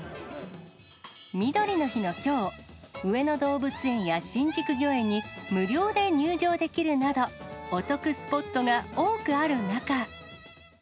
みどりの日のきょう、上野動物園や新宿御苑に無料で入場できるなど、お得スポットが多くある中。